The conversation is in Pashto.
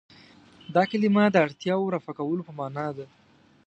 دا کلمه د اړتیاوو رفع کولو په معنا ده.